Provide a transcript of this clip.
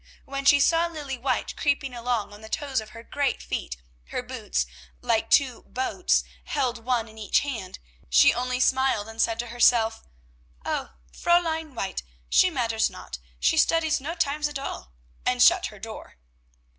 When she saw Lilly White creeping along on the toes of her great feet, her boots, like two boats, held one in each hand, she only smiled, and said to herself, "Oh, Fräulein White! She matters not. She studies no times at all," and shut her door.